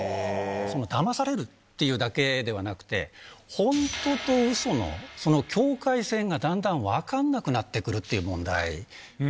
そのだまされるっていうだけではなくて、本当とうその、その境界線が、だんだん分かんなくなってくるっていう問題。